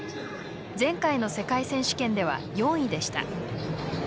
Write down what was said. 前回の世界選手権では４位でした。